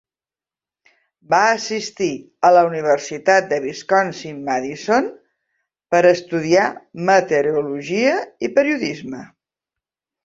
Va assistir a la Universitat de Wisconsin-Madison per estudiar meteorologia i periodisme.